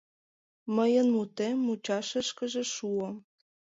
Мыйын мутем мучашышкыже шуо.